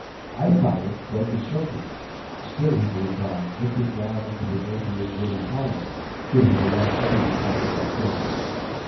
I fired and broke his shoulder; still he moved on, limping down into the neighboring woody hollow, whither the young Indian followed and killed him.